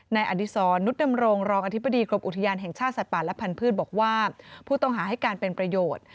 อดีศรนุษดำรงรองอธิบดีกรมอุทยานแห่งชาติสัตว์ป่าและพันธุ์บอกว่าผู้ต้องหาให้การเป็นประโยชน์